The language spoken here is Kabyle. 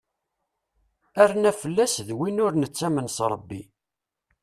Arnaflas d win ur nettamen s Rebbi.